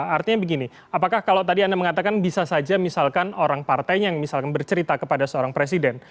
artinya begini apakah kalau tadi anda mengatakan bisa saja misalkan orang partainya yang misalkan bercerita kepada seorang presiden